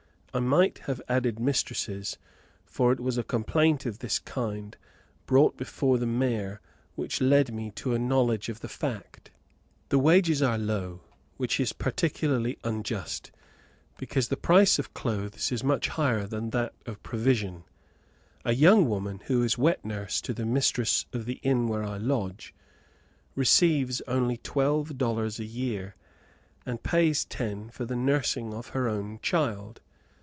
I might have added mistresses, for it was a complaint of this kind brought before the mayor which led me to a knowledge of the fact. The wages are low, which is particularly unjust, because the price of clothes is much higher than that of provision. A young woman, who is wet nurse to the mistress of the inn where I lodge, receives only twelve dollars a year, and pays ten for the nursing of her own child.